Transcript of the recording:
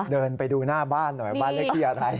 เดินไปดูหน้าบ้านหน่อยบ้านเลขที่อะไร